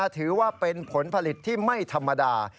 ถือว่าเป็นผลผลิตที่ไม่ธรรมดา